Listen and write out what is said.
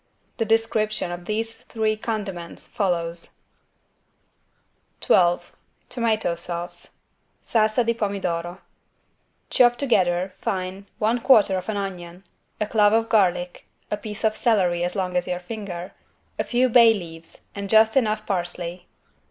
The description of these three condiments follows: 12 TOMATO SAUCE (Salsa di Pomidoro) Chop together, fine, one quarter of an onion, a clove of garlic, a piece of celery as long as your finger, a few bay leaves and just enough parsley.